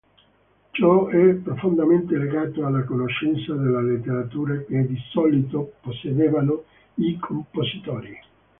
Ciò è profondamente legato alla conoscenza della letteratura che di solito possedevano i compositori.